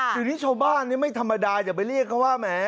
เดี๋ยวนี้ชาวบ้านไม่ธรรมดาอย่าไปเรียกเขาว่าแหม